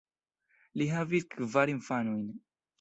Li havis kvar infanojn.